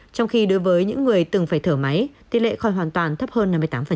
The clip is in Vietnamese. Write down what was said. trong khi đối với những người từng phải thở máy tỷ lệ khỏi hoàn toàn thấp hơn năm mươi tám